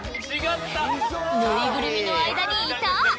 ぬいぐるみの間にいた！